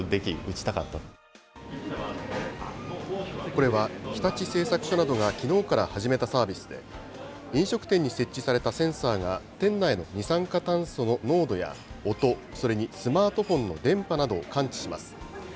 これは、日立製作所などがきのうから始めたサービスで、飲食店に設置されたセンサーが、店内の二酸化炭素の濃度や音、それにスマートフォンの電波などを感知します。